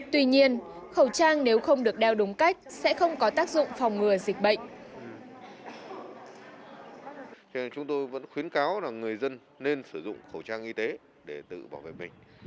tuy nhiên khẩu trang nếu không được đeo đúng cách sẽ không có tác dụng phòng ngừa dịch bệnh